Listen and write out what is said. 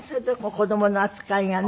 子供の扱いがね。